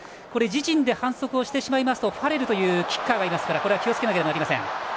自陣で反則をしてしまいますとファレルというキッカーがいますから気をつけなければなりません。